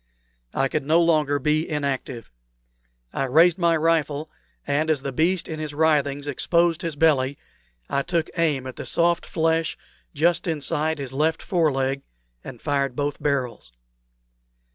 I could no longer be inactive. I raised my rifle, and as the beast in his writhings exposed his belly I took aim at the soft flesh just inside his left fore leg, and fired both barrels.